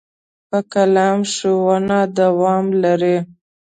په قلم ښوونه دوام لري.